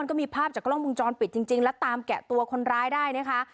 มันก็มีภาพจากกล้องพุงจรปิดจริงจากตามแตกตัวคนร้ายได้นะฮะ